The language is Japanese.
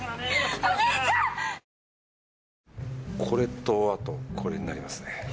これとあとこれになりますね。